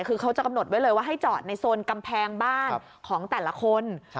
คือเขาจะกำหนดไว้เลยว่าให้จอดในโซนกำแพงบ้านของแต่ละคน